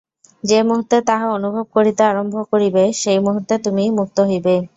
যে মুহূর্তে তাহা অনুভব করিতে আরম্ভ করিবে, সেই মুহূর্তে তুমি মুক্ত হইবে।